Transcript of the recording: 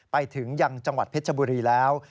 ไปถึงยังจังหวัดเพชรบุรีแล้ว